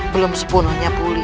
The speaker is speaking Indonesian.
belum sepenuhnya pulih